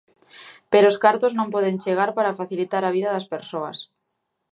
Pero os cartos non poden chegar para facilitar a vida das persoas.